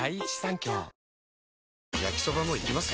焼きソバもいきます？